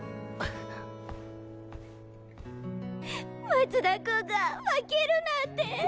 松田君が負けるなんて。